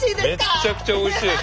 めっちゃくちゃおいしいです！